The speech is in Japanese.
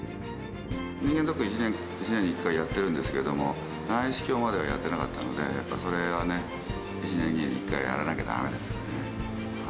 人間ドックは１年に１回、やってるんですけれども、内視鏡まではやってなかったので、やっぱそれがね、１年に１回、やらなきゃだめですよね。